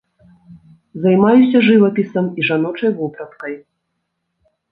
Займаюся жывапісам і жаночай вопраткай.